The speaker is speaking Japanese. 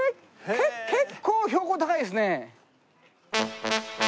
結構標高高いですね。